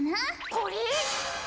これ？